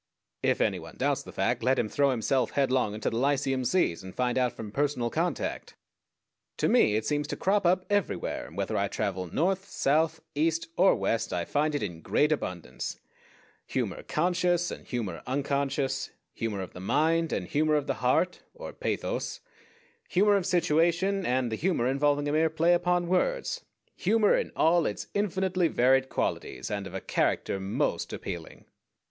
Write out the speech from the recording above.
If any one doubts the fact, let him throw himself headlong into the Lyceum Seas and find out from personal contact. To me it seems to crop up everywhere, and whether I travel north, south, east, or west I find it in great abundance humor conscious, and humor unconscious; humor of the mind, and humor of the heart, or pathos; humor of situation, and the humor involving a mere play upon words; humor in all its infinitely varied qualities, and of a character most appealing.